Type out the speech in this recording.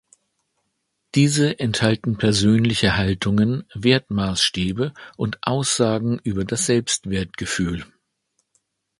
Diese enthalten persönliche Haltungen, Wertmaßstäbe und Aussagen über das Selbstwertgefühl.